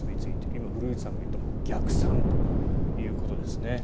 今、古内さんが言った逆算ということですね。